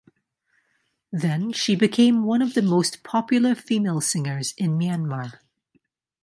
Then she became one of the most popular female singers in Myanmar.